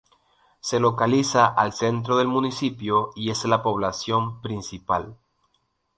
Se localiza al centro del municipio y es la población principal.